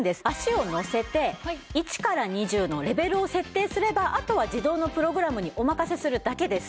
足をのせて１から２０のレベルを設定すればあとは自動のプログラムにお任せするだけです。